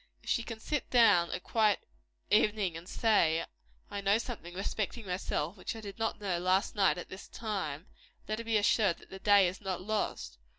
If she can sit down at quiet evening and say, I know something respecting myself which I did not know last night at this time, let her be assured the day is not lost.